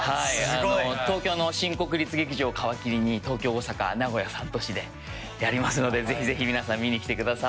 東京の新国立劇場を皮切りに東京大阪名古屋３都市でやりますのでぜひぜひ皆さん見に来てください。